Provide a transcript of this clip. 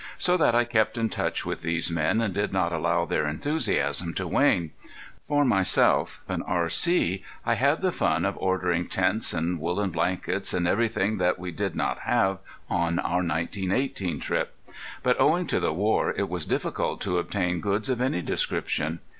So that I kept in touch with these men and did not allow their enthusiasm to wane. For myself and R.C. I had the fun of ordering tents and woolen blankets, and everything that we did not have on our 1918 trip. But owing to the war it was difficult to obtain goods of any description.